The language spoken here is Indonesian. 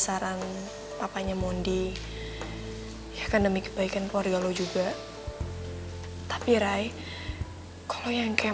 saran papanya mondi ya kan demi kebaikan poriolo juga tapi rai kalau yang kayak